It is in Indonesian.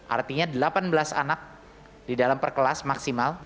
artinya delapan belas anak di dalam perkelas maksimal